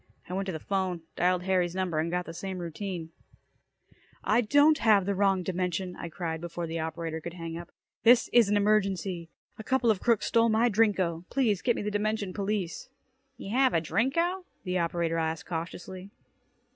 I went to the 'phone, dialed Harry's number, and got the same routine. "I don't have the wrong dimension," I cried before the operator could hang up. "This is an emergency. A couple of crooks stole my Drinko. Please get me the dimension police." "You have a Drinko?" the operator asked cautiously.